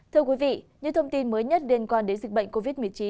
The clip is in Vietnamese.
thưa quý vị những thông tin mới nhất liên quan đến dịch bệnh covid một mươi chín